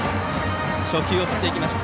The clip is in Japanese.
初球を振っていきました。